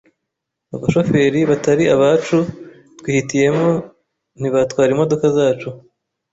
abashoferi batari abacu twihitiyemo ntibatwara imodoka zacu